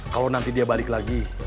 kalau nanti dia balik lagi